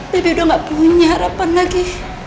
pb udah gak punya harapan lagi